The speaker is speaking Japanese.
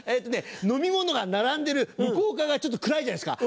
飲み物が並んでる向こう側がちょっと暗いじゃないですか。